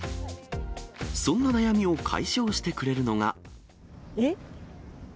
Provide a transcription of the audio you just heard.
そんな悩みを解消してくれるえ？